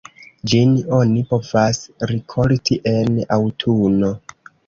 Ĝin oni povas rikolti en aŭtuno.